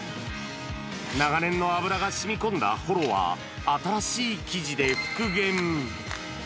長年の油がしみこんだほろは新しい生地で復元。